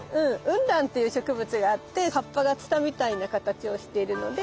ウンランっていう植物があって葉っぱがツタみたいな形をしているので「ツタバ」。